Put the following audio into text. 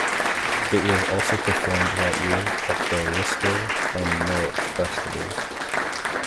It was also performed that year at the Worcester and Norwich festivals.